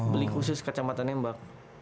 beli khusus kacamata nembak